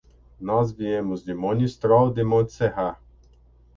Nós viemos de Monistrol de Montserrat.